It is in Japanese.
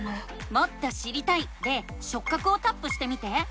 「もっと知りたい」で「しょっ角」をタップしてみて。